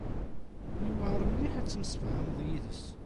Yewɛer mliḥ ad temsefhameḍ yid-s.